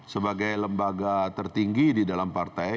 sebagai lembaga tertinggi di dalam partai